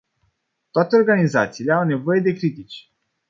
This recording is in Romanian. Toate organizațiile au nevoie de critici.